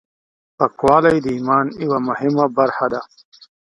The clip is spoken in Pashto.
پاکوالی د ایمان یوه مهمه برخه ده.